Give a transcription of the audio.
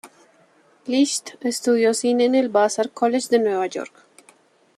Licht estudió cine en el Vassar College de Nueva York.